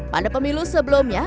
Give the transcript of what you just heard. pada pemilu sebelumnya